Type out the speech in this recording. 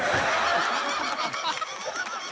ハハハハ！